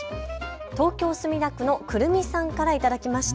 東京墨田区のくるみさんから頂きました。